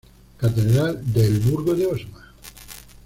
Catedral de El Burgo de Osma.